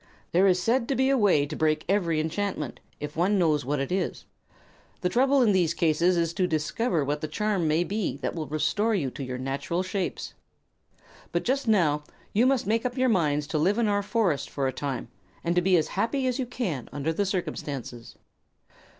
"There is said to be a way to break every enchantment, if one knows what it is. The trouble in these cases is to discover what the charm may be that will restore you to your natural shapes. But just now you must make up your minds to live in our forest for a time, and to be as happy as you can under the circumstances."